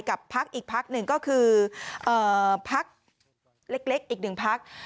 พักอีกพักหนึ่งก็คือพักเล็กอีกหนึ่งพัก